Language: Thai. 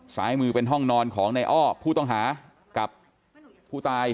ซ้ายมือเป็นห้องนอนของในอ้อผู้ต้องหากับผู้ตาย